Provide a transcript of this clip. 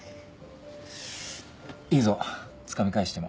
いいぞつかみ返しても。